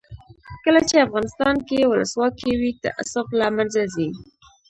کله چې افغانستان کې ولسواکي وي تعصب له منځه ځي.